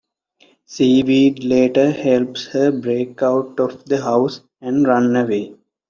Seaweed later helps her break out of the house and run away.